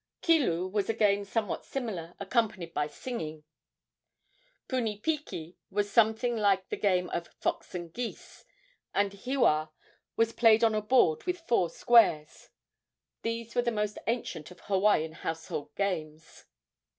Kilu was a game somewhat similar, accompanied by singing. Punipiki was something like the game of "fox and geese," and hiua was played on a board with four squares. These were the most ancient of Hawaiian household games.